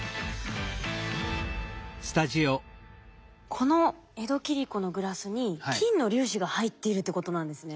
この江戸切子のグラスに金の粒子が入っているってことなんですね。